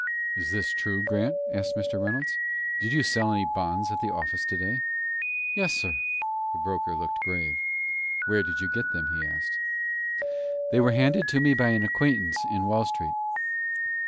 "Is this true, Grant?" asked Mr. Reynolds. "Did you sell any bonds at the office to day?" "Yes, sir." The broker looked grave. "Where did you get them?" he asked. "They were handed to me by an acquaintance in Wall Street."